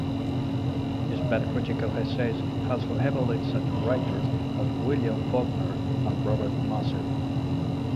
His best critical essays also evaluate such writers as William Faulkner and Robert Musil.